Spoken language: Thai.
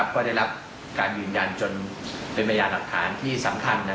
ก็ได้รับการยืนยันจนเป็นพยานหลักฐานที่สำคัญ